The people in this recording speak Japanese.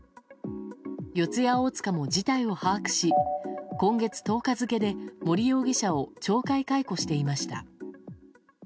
四谷大塚も事態を把握し今月１０日付で森容疑者を懲戒解雇していました。